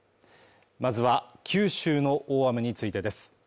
まずは、九州の大雨についてです。